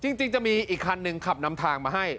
จริงจะมีอีกคันหนึ่งขับนำทางมาให้